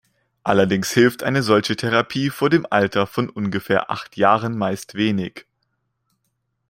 Allerdings hilft eine solche Therapie vor dem Alter von ungefähr acht Jahren meist wenig.